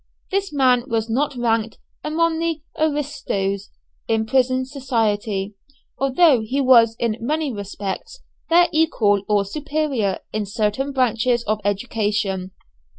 This man was not ranked among the "aristoes" in prison society, although he was in many respects their equal or superior in certain branches of education.